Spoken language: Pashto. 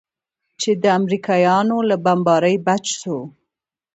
چې د امريکايانو له بمبارۍ بچ سو.